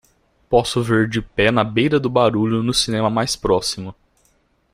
Posso ver De pé na beira do barulho no cinema mais próximo